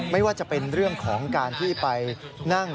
ไม่ว่าจะเป็นเรื่องของการที่ไปนั่ง